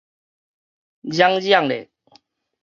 嚷嚷咧